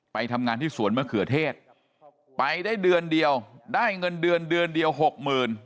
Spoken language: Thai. ไปทำงานที่สวนมะเขือเทศไปได้เดือนเดียวได้เงินเดือนเดือนเดียวหกหมื่น